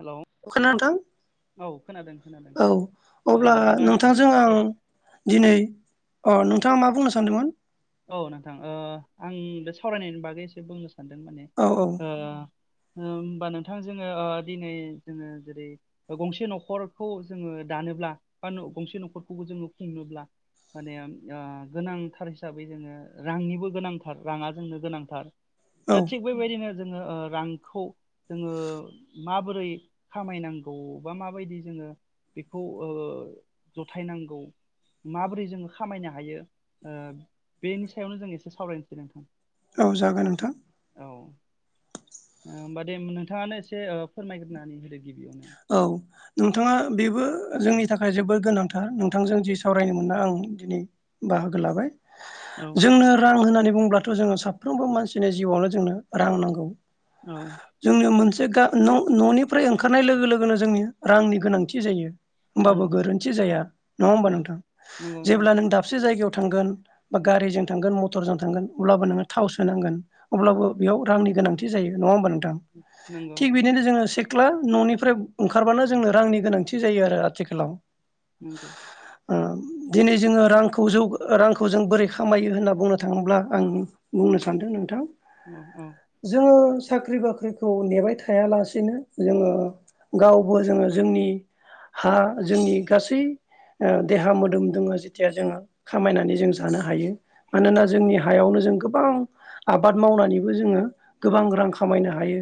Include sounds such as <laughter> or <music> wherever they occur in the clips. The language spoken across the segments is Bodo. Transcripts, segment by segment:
हेलौ <unintelligible> नोंथां औ खोनादों खोनादों औ औ अब्ला होमबा नोंथांजों औ आं दिनै अ नोंथाङा मा बुंनो सानदोंमोन औ नोंथां ओ आं बदा सावरायनायनि बागै एसे बुंनो सा सानदों माने औ औ ओ होमबा नोंथां जोङो ओ दिनै जोङो जेरै ओ गंसे न'खरखौ जोङो दानोब्ला बा न'गंसे न'खरखौबो जोङो खुंनोब्ला माने ओ गोनांथार हिस साबै जोङो रांनिबो गोनांथार राङा जोंनो गोनांथार औ दा थिग बेबायदिनो जोङो ओ रांखौ जोङो माबोरै खामायनांगौ बा माबायदि जोङो बेखौ ओ जथायनांगौ माबोरै जोङो खामायनो हायो ओ बेनि सायावनो जों एसे सावरायनोसै नोंथां औ जागोन नोंथां औ ओ होमबा दे नोंथाङानो एसे ओ फोरमायग्रोनानै होदो गिबियावनो औ नोंथाङा बेबो जोंनि नि थाखाय जोबोर गोनांथार नोंथांजों जि सावरायनो मोनना आं दिनै बाहागो लाबाय औ जोंनो रां होनानै बुंब्लाथ' जोङो साफ्रोमबो मानसिनि जिउआवनो जोंनो रां नांगौ औ जोंनियाव मोनसे बे गा न'निफ्राय ओंखारनाय लोगो लोगो लोगोनो जोंनि रांनि गोनांथि जायो होमबाबो नंगौ गोरोन्थि जाया नङा होमबा औ नोंथां नंगौ जेब्ला नंगौ नों दाबसे जायगायाव थ थांगोन नंगौ थिग बिदिनो जो क्ला न'नि ओंखारब्लानो जोंनो रांनि गोनांथि जायो आरो आथिखालाव नंगौ दिनै जोङो रांखौ जौ रांखौ जों बोरै खामायो होनना बुंनो थाङोब्ला आं बुंनो सान्दों नोंथां औ औ जोङो साख्रि बाख्रिखौ नेबाय थायालासिनो जोङो गावबो जोङो जोंनि हा जोंनि गासै देहा मोदोम दोङो जेथिया जोङो खामायनानै जों जानो हायो मानोना जोंनि हायावनो जों गोबां आबाद मावनानैबो जोङो गोबां रां खामायनो हायो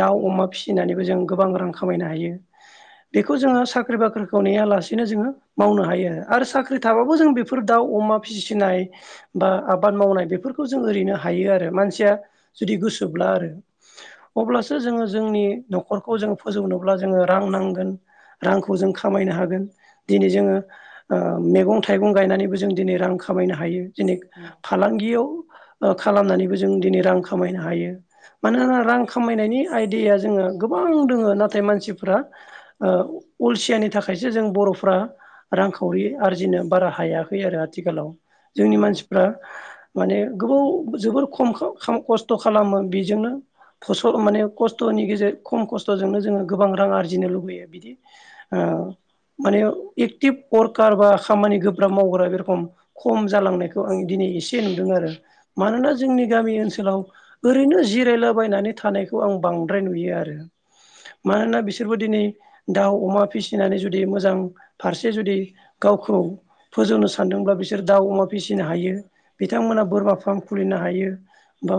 दाउ नंगौ अमा फिसिनानैबो जों गोबां रां खामायनो हायो बेखौ जोङो साख्रि बाख्रिखौ नेा लासेनो जोङो मावनो हायो आरो आरो साख्रि थाबाबो जों बेफोर दाउ अमा फिसिनाय बा आबाद मावनाय बेफोरखौ जों ओरैनो हायो आरो मानसिया जुदि गोसोब्ला आरो अब्लासो जोङो जोंनि न'खरखौ जों फोजौनोब्ला जोङो रां नांगोन रांखौ जों खामायनो हागोन दिनै जोङो मैगं थाइगं गायनानैबो जों दिनै रां खामायनो हायो जेने नंगौ फालांगियाव खालामनानैबो जों दिनै रां खामायनो हायो मानोना रां खामायनायनि आयदाया जोङो गोबां दोङो नाथाय मानसिफ्रा अलसियानि थाखायसो जों बर'फ्रा रांखावरि आरजिनो बारा हायाखै आरो आथिखालाव जोंनि नंगौ मानसिफ्रा माने गोबाव जोबोर खम खस्थ' खालामो बेजोंनो फसल माने खस्थ'नि गेजेर खम खस्थ'जोंनो जोङो गोबां रां आरजिनो लुबैयो बिदि माने एक्टिभ अर्कार बा खामानि गोब्राब मावग्रा बे रखम खम जालांनायखौ आं दिनै एसे नुदों आरो मानोना जोंनि गामि ओनसोलाव ओरैनो जिरायलाबायनानै थानायखौ आं बांद्राय नुयो आरो मानोना बिसोरबो दिनै दाउ अमा फिसिनानै जुदि मोजां फारसे जुदि गावखौ फोजौनो सानदोंब्लाा बिसोर दाउ अमा फिसिनो हायो बिथांमोना बोरमा फार्म खुलिनो हायो बा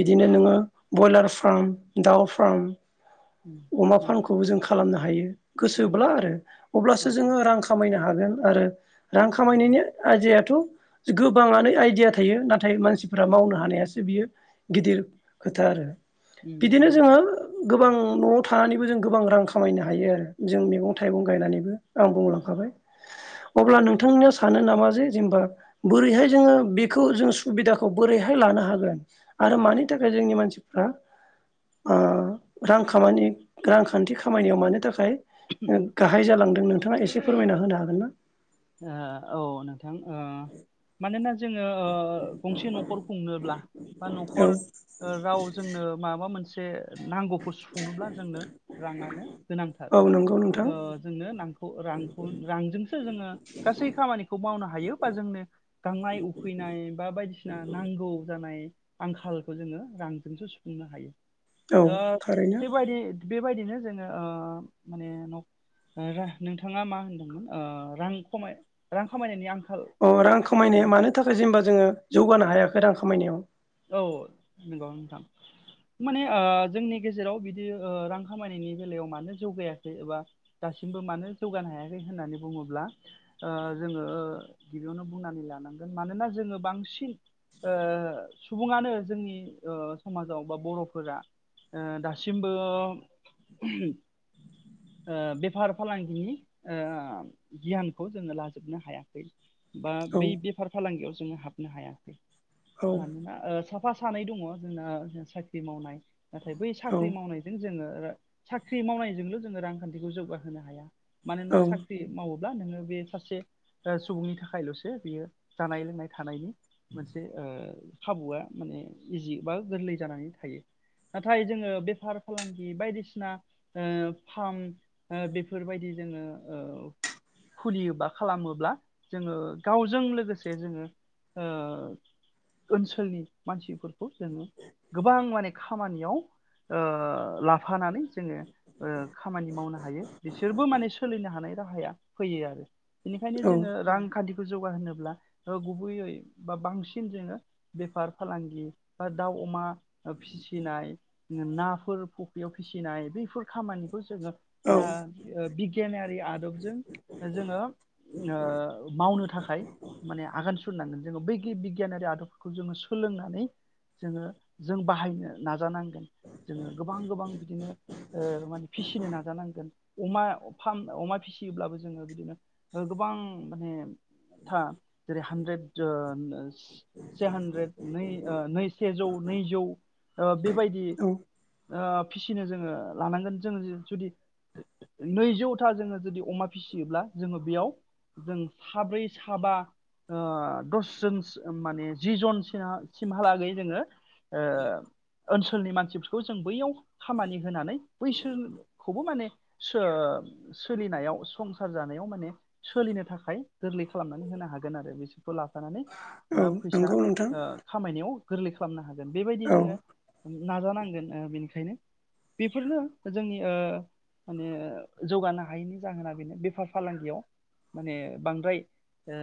बिदिनो नोङो बयलार फार्म दाउफ्राम उम अमा नंगौ फार्मखौबो जों खालामनो हायो नंगौ गोसोब्ला आरो अब्लासो औ जोङो रां खामायनो हागोन आरो रां खामायनायनि आयदायाथ' गोबाङानो आइदिया थायो नाथाय मानसिफोरा मावनो हानायासो बियो गिदिर खोथा आरो उम बिदिनो नंगौ जोङो गोबां न' थानानैबो जों गोबां रां खामायनो हायो आरो जों मैगं थाइगं गायनानैबो आं बुंलांखाबाय नंगौ अब्ला नोंथांनियाव सानो नामा जे जेनेबा बोरैहाय जोङो बेखौ जों सुबिदाखौ बोरैहाय लानो हागोन आरो मानि थाखाय जोंनि मानसिफ्रा आ रां खामानि। रांखान्थि खामानायाव मानो थाखाय। गाहाय जालांदों नोंथाङा एसे फोरमायना होनो हागोन ना। ओ औ नोंथां ओ मानोना। जोङो गंसे ओ न'खर खुंनोब्ला बा औ न'खर राव जोंनो माबा मोनसे। जे। नांगौखौ सुफुंनोब्ला जोंनो राङानो गोनांथार औ नंगौ नोंथां ओ जोंनो नखौ रांखौ रांजोंसो जोङो। गासै खामानिखौ मावनो हायो बा जोंनो गांनाय उखैनाय बा बायदिसिना नांगौ। जानाय आंखालखौ जोङो रांजोंसो सुफुंनो हायो। औ ओ थारैनो। बेबायदि बेबायदिनो जोङो ओ माने नख ओरो नोंथाङा मा होनदोंमोन आ रां। खमाय रां खामायनायनि आंखाल। अ रां मा खामायनाया होनदोंमोन मानो थाखाय जेनेबा जोङो जौगानो हायाखै। गोदान खामायनायाव। औ नंगौ नोंथां माने आ जोंनि गेजेराव बिदि ओ रां खामायनायनि बेलायाव मानो जौगायाखै एबा दासिमबो मानो जौगानो हायाखै होननानै बुङोब्ला ओ जोङो ओ गिबियावनो बुंनानै लानांगोन मानोना जोङो बांसिन ओ। सुबुङानो जोंनि ओ समाजाव बा बर'फोरा ओ दासिमबो। ओ बेफार फालांगिनि ओ गियानखौ जोङो लाजोबनो हायाखै। बा औ बै बेफार फालांगियाव। जो हाबनो हायाखै। मानोना ओ स। साफा सानै दङ जोंना ओ साख्रि मावनाय‌। नाथाय बै औ साख्रि मावनायजों जोङो। आरो साख्रि मावनायजोंनो जोङो रांखान्थिखौ जौगाहोनो हाया। मानोना औ साख्रि मावो ब्ला नोङो बे सासे ओ सुबुंनि थाखायल'सो बियो जानाय लोंनाय थानायनि मोनसे ओ खाबुआ माने इजि बा गोरलै जानानै थायो। नाथाय जोङो बेफार फालांगि बायदिसिना ओ फार्म ओ बेफोरबायदि जोङो ओ खुलियोबा खालामोब्ला जोङो गावजों लोगोसे जोङो ओ ओनसोलनि मानसिफोरखौ जोङो गोबां माने खामानियाव ओ लाफानानै जोङो ओ। खामानि मावनो हायो बिसोरबो माने सोलिनो हानाय राहाया फैयो आरो। बेनिखायनो औ जोङो रांखान्थि। जौगाहोनोब्ला ओ गुबैयै बा बांसिन जोङो बेफार फालांगि बा दाउ अमा ओ फिसिनाय नाफोर फख्रियाव फिसिनाय बैफोर खामानि <unintelligible> दा औ ओ बिगियानारि आदबजों जोङो ओ मावनो थाखाय माने आगान सु सुरनांगोन जोङो बै गि बिगियानारि आदबफोरखौ जोङो सोलोंनानै जोङो जों बाहायनो नाजानांगोन जोङो गोबां गोबां बिदिनो ओ माने फिसिनो नाजानांगोन अमा फाम अमा फिसियोब्लाबो जोङो बिदिनो ओ गोबां माने था जेरै - <unintelligible> से हान्द्रेद नै ओ नै सेजौ नैजौ ओ बेबायदि औ ओ फिसिनो जोङो लानांगोन जोङो जुदि नैजौथा जोङो जुदि अमा फिसियोब्ला जोङो बेयाव जों साब्रै साबा ओ दसजन स माने जि जनसिमहालागै जोङो ओ ओनसोलनि मानसिफोरखौ जों बैयाव खामानि होनानै बैसोरखौबो माने सो सोलिनायाव संसार जानायाव माने सोलिनो थाखाय गोरलै खालामनानै होनो हागोन आरो बिसोर खौ लाफानानै बा औ फैसा नंगौ नोंथां ओ खामायनायाव गोरलै खालामनो हा गोन बेबायदि औ जोङो माने नाजानांगोन ओ बेनिखायनो बेफोरनो जोंनि ओ माने जौगानो हायैनि जाहोना बेनो बेफार फालांगियाव माने बांद्राय ओ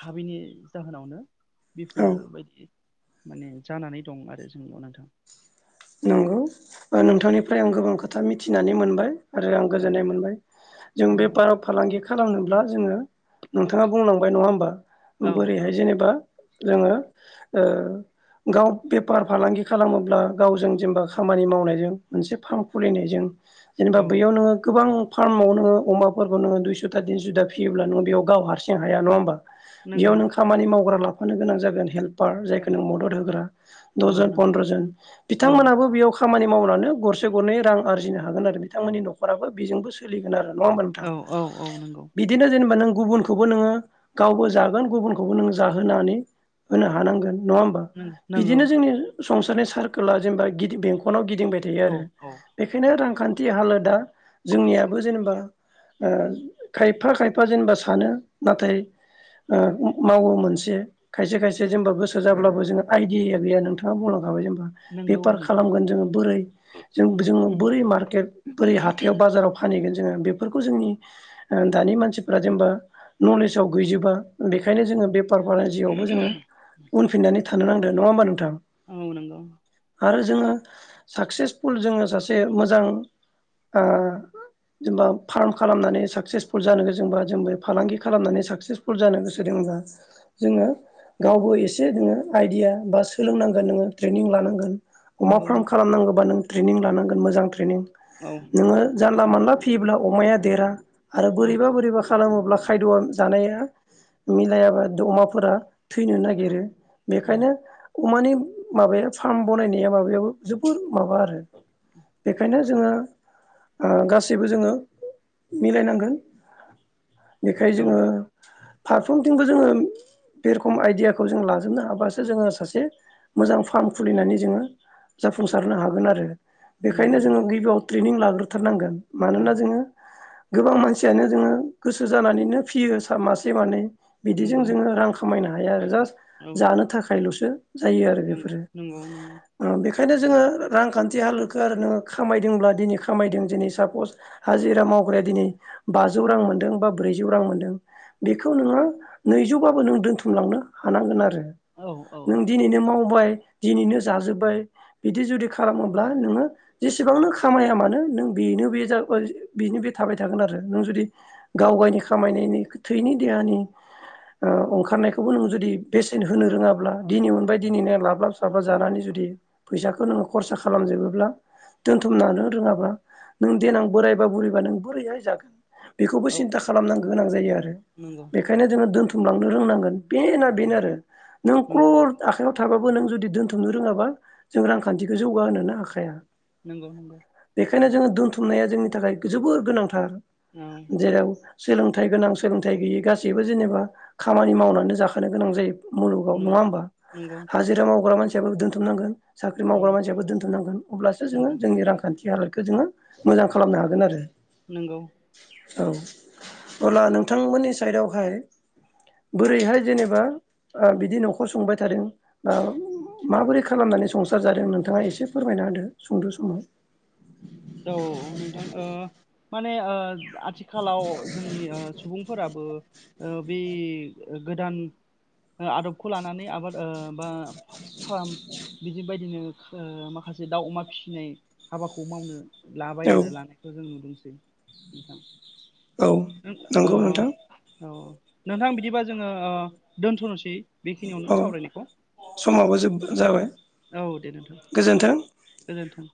हाबैनि जाहोनावनो बेफोरबायदि माने जानानै दं आरो जोंल' नोंथां नंगौ नोंथांनिफ्राय आं गोबां खोथा मिथिनानै मोनबाय आरो आं औ गोजोननाय मोनबाय जों बे नंगौ फाराव फालांगि खालामनोब्ला जोङो नोंथाङा बुंलांबाय नङा होमबा औ बोरैहाय जेनेबा जोङो ओ गाव बेफार फालांगि खालामोब्ला गावजों जेनेबा खामानि मावनायजों मोनसे फार्म खुलिनायजों जेनेबा औ बैयाव नोङो गोबां फार्माव नोङो अमाफोरखौ नोङो दुइस'था थिनस'दा फियोब्ला नोङो बेयाव गाव हारसिं हाया नङा होमबा बेयाव नंगौ नों खामानि मावग्रा ला लानो गोनां जागोन हेल्प फार औ जायखौ नों मदद होग्रा औ दजन नंगौ फन्द्रजन औ बिथांमोनहाबो बेयाव खामानि मावनानै गरसे गरनै रां आरजिनो हागोन आरो बिथांमोननि नखराबो बेजोंबो सोलिगोन आरो नङा होनबा नोंथां औ औ औ नंगौ बिदिनो जेनेबा नों गुबुनखौबो नोङो गावबो जागोन गुबुनखौबो नोङो जाहोनानै होनो हानांगोन नङा होमबा नंगौ बिदिनो जोंनि संसारनि सार गोला जेनबा गिद बेंखनाव गिद दिंबाय थायो औ आरो औ बेखायनो रांखान्थ थि हालोदा जोंनियाबो जेनेबा ओ खायफा खायफा जेनेबा सानो नाथाय ओ मावो मोनसे खायसे खायसे जेनेबा गोसो जाब्लाबो जोङो आइदिया गैया नोंथाङा बुंलांखाबाय जेनबा नंगौ बेफार खालामगोन जोङो बोरै जों जोङो बोरै मार्केट बोरै हाथायाव बाजाराव फानहैगोन जोङो बेफोरखौ जोंनि ओ दानि मानसिफ्रा जेनेबा नलेजाव गैजोबा बेखायनो जोङो बेफार फालांजियावबो जोङो उनफिननानै थानो नांदो नङाहोमबा नोंथां? औ नंगौ। आरो जोङो साकसेसफुल जोङो सासे मोजां ओ जेनेबा फार्म खालामनानै साकसेसफुल जानो गोजोंबा जों बे फालांगि खालामनानै साकसेसफुल जानो गोसो दंबा जोङो गावबो एसे नोङो आइदिया बा सोलोंनांगोन नोङो थ्रे निं लानांगोन। अमा नंगौ फार्म खालामनांगौबा नों ट्रनिं लानांगोनोजां ट्रेनिं औ नोङो जानला मोनाला फियोब्ला अमाया देरा आरो औ बोरैबा बोरैबा खालामोब्ला खायद' जानाया मिलायाबा अमाफोरा थैनो नागिरो औ बेखायनो अमानि माबाया फार्म बनायनाया माबो जोबोर माबा आरो बेखायनो जोङो गासैबो जोङो मिलायनांगोन बेखाय औ जोङो फारफ्रोमथिंबो जोङो बे रखम आइदियाखौ जोङो लाजोबनो हाबासो जोङो सासे मोजां फार्म खुलिनानै जोङो जाफुंसारनो हागोन आरो नंगौ बेखायनो जोङो नोंथां गिबियाव ट्रेनिं लाग्रोथारनांगोन। औ मानोना जोङो गोबां मानसियानो जोङो गोसो जानानैनो फियो मासे मानै बिदिजों नंगौ जोङो रां खामायना हाया आरो जास औ जानो थाखायल'स जायो नंगौ नंगौ नंगौ ओंखायनो जोङो रांखान्थि हालोदखौ आरो नोङो खामायदोंब्ला दिनै खामायदों दिनै सापस हाजिरा मावग्राया दिनै बाजौ रां मोनदों बा ब्रैजौ रां मोनदों बेखौ नोङो नैजौबाबो नों दोन्थुमलांनो हानांगोन आरो औ औ नों दिनैनो माव मावबाय दिनैनो जाजोब्बाय बिदि जुदि खालामोब्ला नोङो जेसेबांनो खामाया मानो नों बेनो बे बेनो जा बे थाबाय थागोन आरो नों जुदि गाव गावनि खामायनायनि थैनि देहानि ओ ओंखारनायखौबो नों जुदि बेसेन होनो रोङाब्ला दिनै दिनैनो लाबलाब साब्लाब जानानै जुदि फैसाखौ नोङो खरसा खालामजोबोब्ला दोनथुमनानो रोङाबा नों देनां बोरायबा बुरैबा नों बोरैहाय जागोन। बेखौबो औ सिन्था खालामनां गौ गोनां जायो आरो नंगौ बेखायनो जोङो दोनथ' फुंलांनो रोंनांगोन बेना औ बेनो आरो नों नंगौ क्रर नाव थाबाबो नों जुदि दोनथुमनो रोङाबा जों रांखान्थिखौ जौगाह होनोनो हाखाया। नंगौ नंगौ बेखायनो जोङो दोनथुमनाया जोंनि नि थाखाय जोबोर गोनांथार औ जेराव सोलोंथाइ गोनां सोलोंथाइ गैयै गासैबो जेनेबा खामानि मावनानै जाखोन गोनां जायो। मुलुगाव नङा नंगौ होमबा। नंगौ हग्रा मानसियाबो दोनथुमनांगोन साख्रि औ मावग्रा मानसिाबो दोनथ'नांगोन अब्लासो जोङो नंगौ जोंनि रांखान्थि ख हालोदखौ जोङो मोजां खालामनो हागोन आरो। नंगौ औ अब्ला नोंथांमोननि साइदआवहाय बोरैहाय जेनेबा बिदि न'खर संबाय था माबोरै खालामनानै संसार जादों नोंथाङा एसे फोरमायना होदो सुंद' समाव औ नोंथां ओ माने ओ आथिखालाव जोंनि ओ सुबुंफोराबो ओ बे गोदान आदबखौ लानानै आबाद ओ बा फार्म बिदि बायदिनो ओ माखासे दाउ अमा फिसिनाय हाबाखौ मावनो लाबाय औ आरो लानायखौ जों नुदोंसै औ औ अ नंगौ नोंथां औ नोंथां बिदिबा जोङो ओ दोन्थ'नोसै। औ समाबबो जोब जाबाय। औ दे नोंथां गोजोन्थों गोजोनथों।